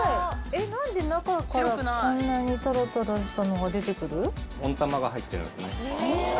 何で中からこんなにとろとろしたのが出てくる？